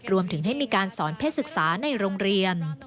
รวมถึงให้มีการสอนเพศศึกษาในโรงเรียน